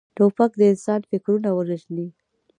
توپک د انسان فکرونه وژني.